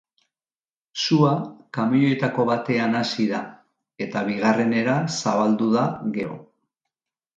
Sua kamioietako batean hasi da, eta bigarrenera zabaldu da gero.